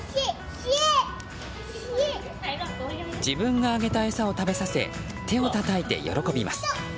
自分があげた餌をあげさせ手をたたいて喜びます。